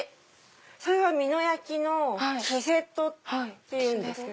それは美濃焼の黄瀬戸っていうんです。